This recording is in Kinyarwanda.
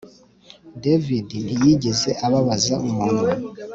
David ntiyigeze ababaza umuntu